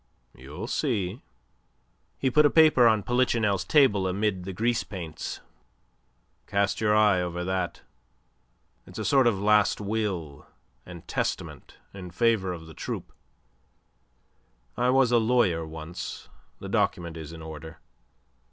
"You'll see." He put a paper on Polichinelle's table amid the grease paints. "Cast your eye over that. It's a sort of last will and testament in favour of the troupe. I was a lawyer once; the document is in order.